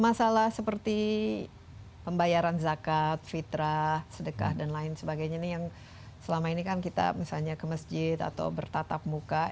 masalah seperti pembayaran zakat fitrah sedekah dan lain sebagainya ini yang selama ini kan kita misalnya ke masjid atau bertatap muka